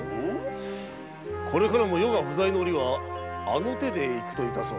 これからも余が不在の折はあの手でいくと致そう。